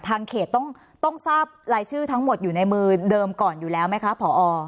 เขตต้องทราบรายชื่อทั้งหมดอยู่ในมือเดิมก่อนอยู่แล้วไหมคะผอ